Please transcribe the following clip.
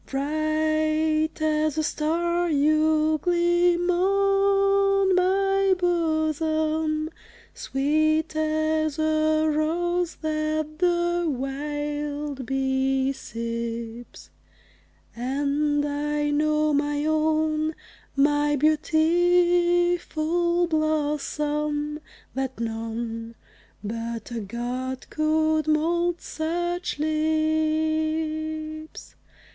Bright as a star you gleam on my bosom, Sweet as a rose that the wild bee sips; And I know, my own, my beautiful blossom, That none but a God could mould such lips.